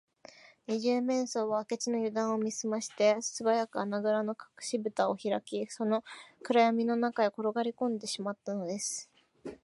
二十面相は明智のゆだんを見すまして、すばやく穴ぐらのかくしぶたをひらき、その暗やみの中へころがりこんでしまったのです